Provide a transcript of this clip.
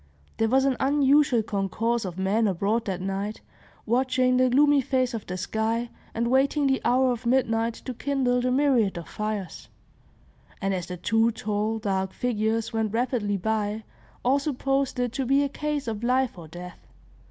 There was an unusual concourse of men abroad that night, watching the gloomy face of the sky, and waiting the hour of midnight to kindle the myriad of fires; and as the two tall, dark figures went rapidly by, all supposed it to be a case of life or death.